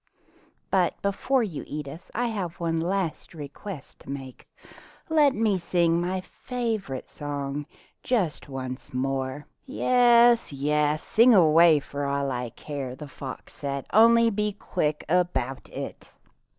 But before you eat us I have one last request to make — let me sing my favorite song just once more. 118 Fairy Tale Foxes ''Yes, yes, sing away for all I care," the fox said; "only be quick about it."